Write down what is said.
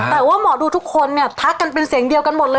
แต่ว่าหมอดูทุกคนเนี่ยทักกันเป็นเสียงเดียวกันหมดเลย